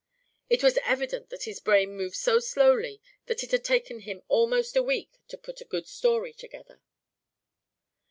It was evident that his brain moved so slowly that it had taken him almost a week to put a good story together.